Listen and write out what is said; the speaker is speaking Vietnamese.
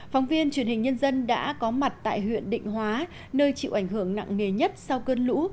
phóng viên truyền hình nhân dân đã có mặt tại huyện định hóa nơi chịu ảnh hưởng nặng nề nhất sau cơn lũ